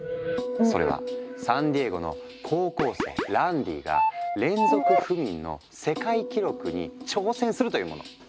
それはサンディエゴの高校生ランディが連続不眠の世界記録に挑戦するというもの。